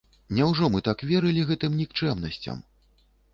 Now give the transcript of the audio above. Няўжо мы так верылі гэтым нікчэмнасцям?